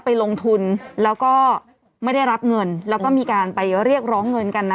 ไปลงทุนแล้วก็ไม่ได้รับเงินแล้วก็มีการไปเรียกร้องเงินกันนะ